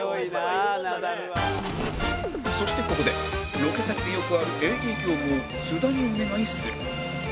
そしてここでロケ先でよくある ＡＤ 業務を津田にお願いする